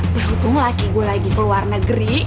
berhubung laki gue lagi keluar negeri